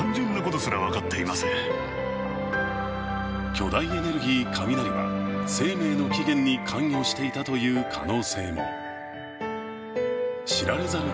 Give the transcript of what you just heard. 巨大エネルギー、雷は生命の起源に関与していたという可能性も。